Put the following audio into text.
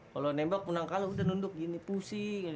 kalau nembak menang kalah udah nunduk gini pusing